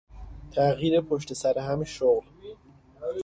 تغییر پشت سرهم شغل